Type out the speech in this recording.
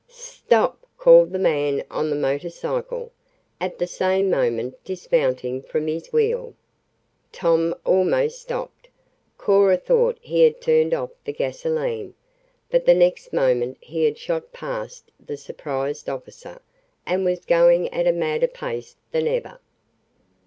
"Stop!" called the man on the motor cycle, at the same moment dismounting from his wheel. Tom almost stopped. Cora thought he had turned off the gasoline, but the next moment he had shot past the surprised officer, and was going at a madder pace than ever.